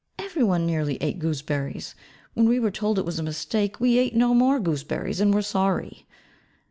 Every one nearly ate gooseberries. When we were told it was a mistake, we ate no more gooseberries, and were sorry.